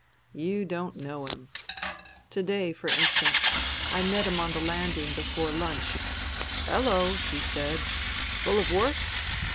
You don't know him. To day, for instance, I met him on the land ing, before lunch. ' Hello !' he said. ' Full of work